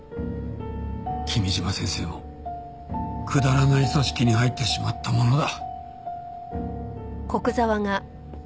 君嶋先生もくだらない組織に入ってしまったものだ。